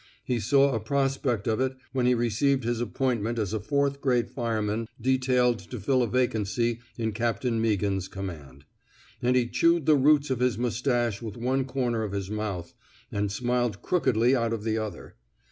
He saw a prospect of it when he received his appointment as a fourth grade fireman de tailed to fill a vacancy in Captain Meaghan's command; and he chewed the roots of his mustache with one comer of his mouth and smiled crookedly out of the other.